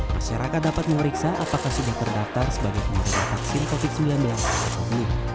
masyarakat dapat memeriksa apakah sudah terdaftar sebagai penerima vaksin covid sembilan belas atau belum